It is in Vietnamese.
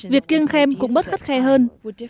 việc kiêng khen cũng bớt khắt khe hơn